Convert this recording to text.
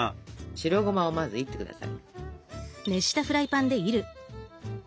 白ゴマをまずいって下さい。